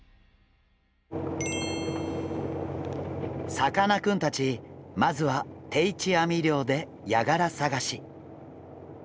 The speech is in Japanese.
さかなクンたちまずは定置網漁でヤガラ探し。